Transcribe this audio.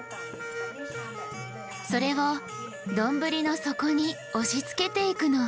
それを丼の底に押しつけていくの。